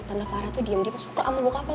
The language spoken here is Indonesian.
tante farah tuh diam diam suka sama bokap lo